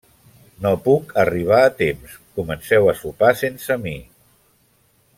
No puc arribar a temps, comenceu a sopar sense mi.